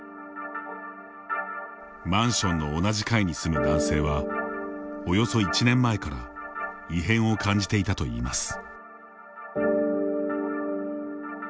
マンションの同じ階に住む男性はおよそ１年前から異変を感じていたといいます。